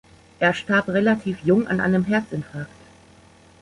Er starb relativ jung an einem Herzinfarkt.